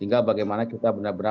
naga kerja bahwa